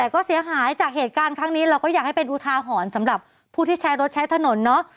แต่ก็เสียหายจากเหตุการณ์ครั้งนี้เราก็อยากให้เป็นอุทาหรณ์สำหรับผู้ที่ใช้รถใช้ถนนเนาะ